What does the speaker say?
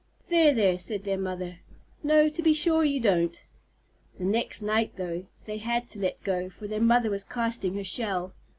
"There, there!" said their mother. "No, to be sure you don't." The next night, though, they had to let go, for their mother was casting her shell.